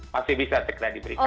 masih bisa segera diberikan